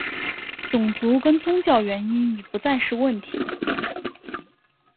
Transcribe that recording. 种族跟宗教原因已不再是问题。